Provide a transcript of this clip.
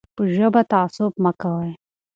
په ژبه تعصب مه کوئ.